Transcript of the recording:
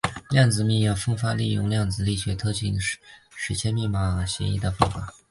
量子密钥分发是利用量子力学特性实现密码协议的方法。